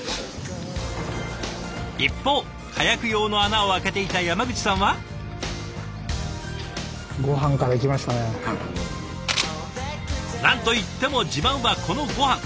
一方火薬用の穴を開けていた山口さんは？何と言っても自慢はこのごはん。